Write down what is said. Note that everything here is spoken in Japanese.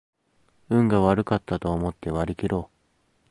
運が悪かったと思って割りきろう